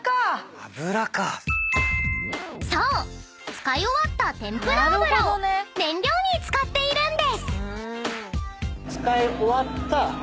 使い終わった天ぷら油を燃料に使っているんです］